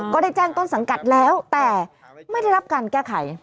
ก็ได้แจ้งต้นสังกัดแล้วแต่ไม่ได้รับการแก้ไข